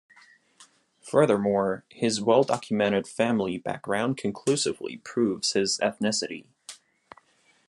Furthermore his well-documented family background conclusively proves his ethnicity.